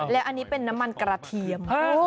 และอันนี้เป็นน้ำมันกระเทียม